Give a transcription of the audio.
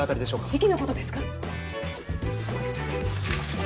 ・時期のことですか？